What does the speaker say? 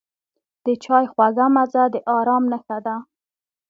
د چای خوږه مزه د آرام نښه ده.